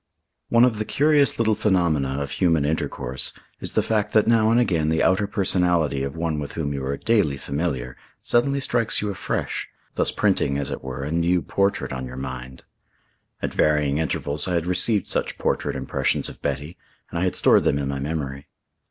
One of the curious little phenomena of human intercourse is the fact that now and again the outer personality of one with whom you are daily familiar suddenly strikes you afresh, thus printing, as it were, a new portrait on your mind. At varying intervals I had received such portrait impressions of Betty, and I had stored them in my memory.